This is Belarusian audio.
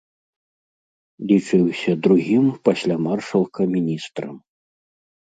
Лічыўся другім пасля маршалка міністрам.